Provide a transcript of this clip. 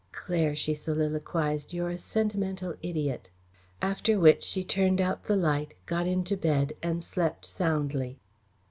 "Claire," she soliloquised, "you're a sentimental idiot!" After which she turned out the light, got into bed and slept soundly.